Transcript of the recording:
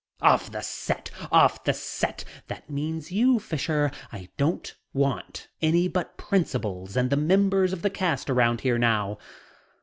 "Off the set! Off the set! That means you, Fisher. I don't want any but principals and the members of the cast around here now."